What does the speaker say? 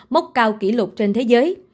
mốc cao kỷ lục trên thế giới